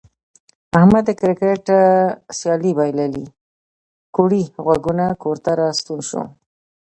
احمد د کرکټ سیالي بایللې کوړی غوږونه کور ته راستون شو.